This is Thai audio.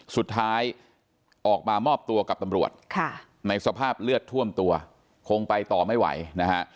สุดท้ายออกมามอบตัวกับตำรวจในสภาพเลือดท่วมตัวคงไปต่อไม่ไหวนะฮะ